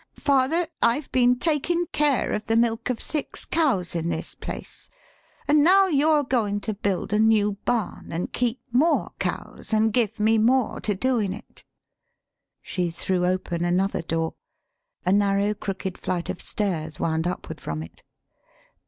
Fa ther, I've been takin' care of the milk of six cows in this place, an' now you're goin' to build 163 THE SPEAKING VOICE a new barn, an' keep more cows, an' give me more to do in it." She threw open another door. A narrow crook ed flight of stairs wound upward from it.